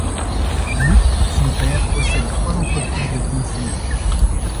Luke, son père possède trois entreprises de pompes funèbres.